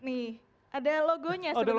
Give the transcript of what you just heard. nih ada logonya sebenarnya